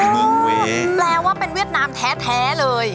แปลว่าเป็นเวียดนามแท้เลย